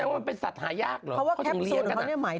มันเป็นสัตว์หายากเหรอ